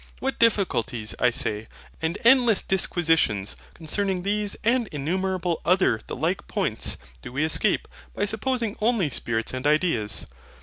what difficulties, I say, and endless disquisitions, concerning these and innumerable other the like points, do we escape, by supposing only Spirits and ideas?